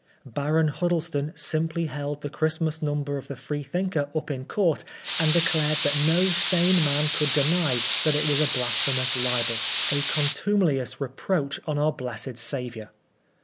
Baron Huddleston simply held the Christmas Number of the Freethinker up in Court, and declared that no sane man could deny that it was a blasphemous libel —^ contumelious reproach on our Blessed Savior.